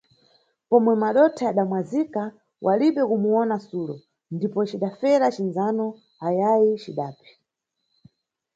Pomwe madotha yadamwazika, walibe kumuyona Sulo, ndipo cidafera cindzano ayayi cidapi.